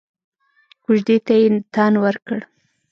کوژدې ته يې تن ورکړ.